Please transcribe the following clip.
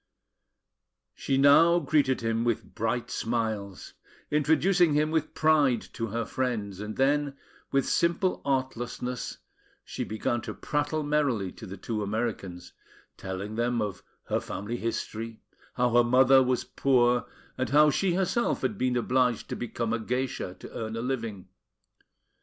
She now greeted him with bright smiles, introducing him with pride to her friends; and then, with simple artlessness, she began to prattle merrily to the two Americans, telling them of her family history, how her mother was poor, and how she herself had been obliged to become a geisha to earn a living.